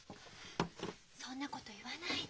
そんなこと言わないで。